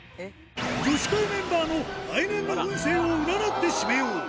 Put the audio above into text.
女子会メンバーの来年の運勢を占って締めよう。